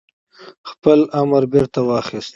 خپل امر بيرته واخيست